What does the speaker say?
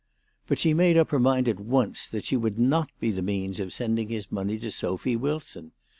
But she made up her mind at once that she would not be the means of sending his money to Sophy "Wilson.